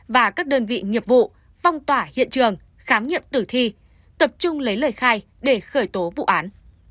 và các đơn vị nghiệp vụ phong tỏa hiện trường khám nghiệm tử thi tập trung lấy lời khai để khởi tố vụ án